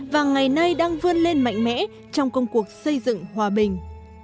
và ngày nay đang vươn lên mạnh mẽ trong công cuộc xây dựng hòa bình